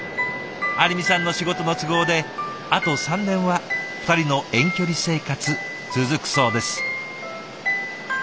有美さんの仕事の都合であと３年は２人の遠距離生活続くそうです。